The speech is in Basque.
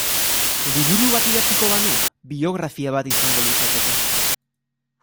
Liburu bat idatziko banu biografia bat izango litzateke.